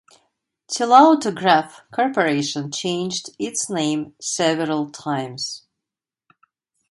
Telautograph Corporation changed its name several times.